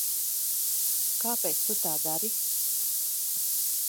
Kāpēc tu tā dari?